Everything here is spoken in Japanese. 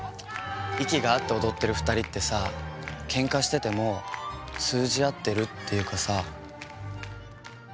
息が合って踊ってる２人ってさケンカしてても通じ合ってるっていうかさ。